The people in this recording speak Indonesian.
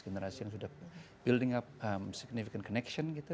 generasi yang sudah building up signifikan connection gitu